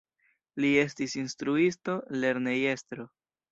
Li estis instruisto, lernejestro.